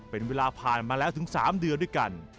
เป็นเวลาผ่านมาแล้วถึง๓เดือนด้วยกัน